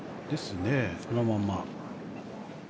そのまま。